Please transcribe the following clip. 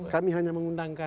kami hanya mengundangkan